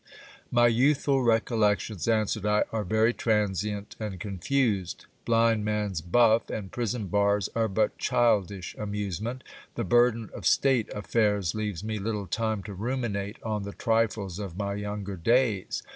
My youthful recollections, answered I, are very transient and confused. Blind man's buff and prison bars are but childish amusement ! The burden of state affairs leaves me little time to ruminate on the trifles of my younger days.